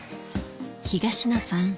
東野さん